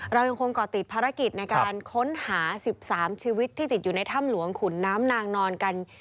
เรายังคงก่อติดภารกิจในการค้นหา๑๓ชีวิตที่ติดอยู่ในถ้ำหลวงขุนน้ำนางนอนกัน